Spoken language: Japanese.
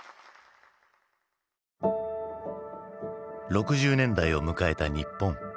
６０年代を迎えた日本。